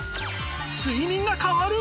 睡眠が変わる！？